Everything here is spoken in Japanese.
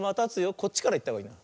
こっちからいったほうがいい。